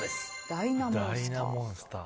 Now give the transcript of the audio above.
「ダイナモンスター」